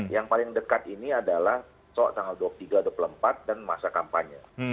yang paling dekat ini adalah soal tanggal dua puluh tiga dua puluh empat dan masa kampanye